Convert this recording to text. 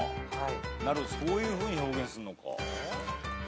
そういうふうに表現するのか。